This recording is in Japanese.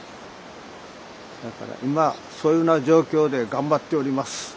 だから今そういうふうな状況で頑張っております。